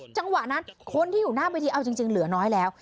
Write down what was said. จังหวะนั้นคนที่อยู่หน้าเวทีเอาจริงเหลือน้อยแล้ว